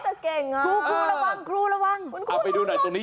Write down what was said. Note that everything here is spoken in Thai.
แต่เก่งอ่ะครูครูระวังครูระวังเอาไปดูหน่อยตรงนี้